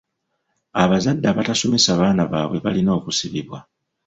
Abazadde abatasomesa baana baabwe balina okusibibwa.